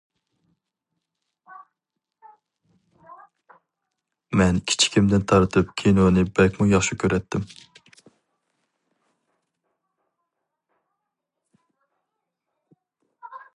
مەن كېچىكىمدىن تارتىپ كىنونى بەكمۇ ياخشى كۆرەتتىم.